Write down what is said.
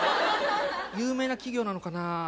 有名な企業なのかな？